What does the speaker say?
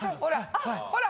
あっほら。